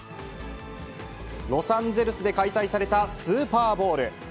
ロサンゼルスで開催されたスーポーボウル。